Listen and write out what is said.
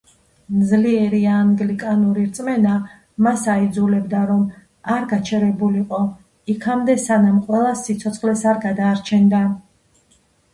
ძლიერი ანგლიკანური რწმენა მას აიძულებდა, რომ არ გაჩერებულიყო იქამდე სანამ ყველას სიცოცხლეს არ გადარჩენდა.